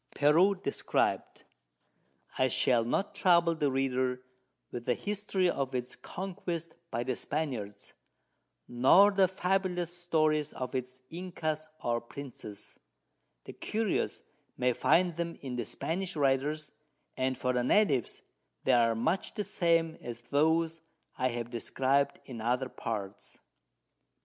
Peru Described. I Shall not trouble the Reader with the History of its Conquest by the Spaniards, nor the fabulous Stories of its Incas or Princes, the Curious may find them in the Spanish Writers, and for the Natives, they are much the same as those I have described in other Parts.